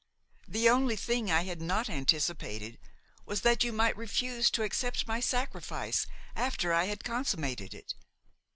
The only thing I had not anticipated was that you might refuse to accept my sacrifice after I had consummated it.